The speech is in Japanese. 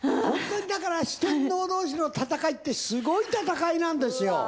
本当にだから四天王同士の戦いってすごい戦いなんですよ。